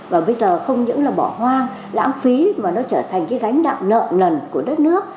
và bây giờ không những là bỏ hoang lãng phí mà nó trở thành cái gánh nặng nợ nần của đất nước